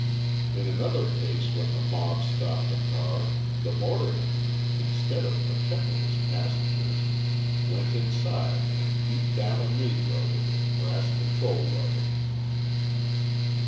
In another case when the mob stopped a car the motorman, instead of protecting his passengers, went inside and beat down a Negro with his brass control lever.